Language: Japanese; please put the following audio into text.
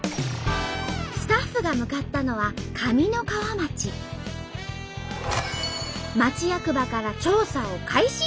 スタッフが向かったのは町役場から調査を開始。